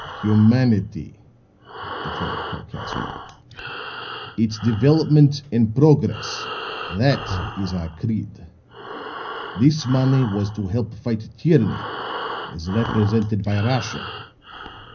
"Humanity," declared Karkowsky, "its development and progress! that is our creed. This money was to help fight tyranny as represented by Russia.